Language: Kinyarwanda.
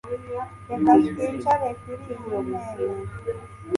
Reka twicare kuri iyi ntebe